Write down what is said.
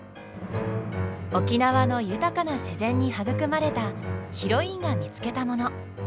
沖縄の豊かな自然に育まれたヒロインが見つけたもの。